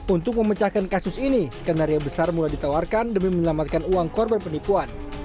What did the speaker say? untuk memecahkan kasus ini skenario besar mulai ditawarkan demi menyelamatkan uang korban penipuan